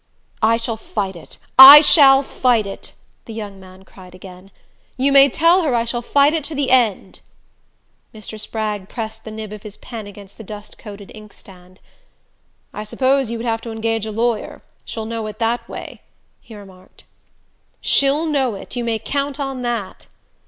"I shall fight it I shall fight it!" the young man cried again. "You may tell her I shall fight it to the end!" Mr. Spragg pressed the nib of his pen against the dust coated inkstand. "I suppose you would have to engage a lawyer. She'll know it that way," he remarked. "She'll know it you may count on that!"